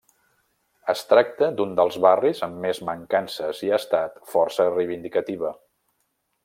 Es tracta d'un dels barris amb més mancances i ha estat força reivindicativa.